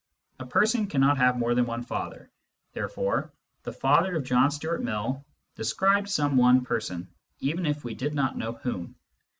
A person cannot have more than one father, therefore " the father of John Stuart Mill " described some one person, even if we did not know whom.